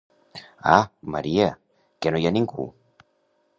Ah, Maria, que no hi ha ningú?